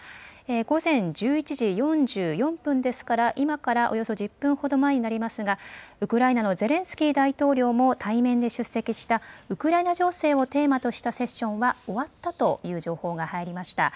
午前１１時４４分ですから、今からおよそ１０分ほど前になりますが、ウクライナのゼレンスキー大統領も対面で出席した、ウクライナ情勢をテーマとしたセッションが終わったという情報が入りました。